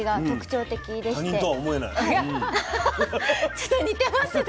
ちょっと似てますね